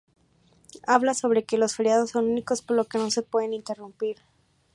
Habla sobre que los feriados son únicos, por lo que no se pueden interrumpir.